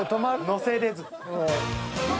のせれず。